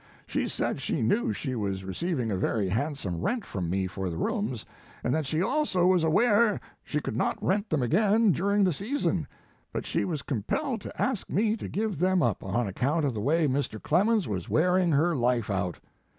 She said she knew she was re ceiving a very handsome rent from me for the rooms, and that she also was aware she could not rent them again dur ing the season, but she was compelled to ask me to give them up on account of the way Mr. Clemens was wearing her life out.